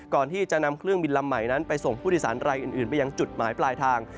ก่อนที่จะนำเครื่องบินลำใหม่นั้นไปส่งผู้โดยสารรายอื่นไปยังจุดหมายปลายทาง